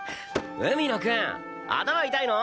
海野くん頭痛いの？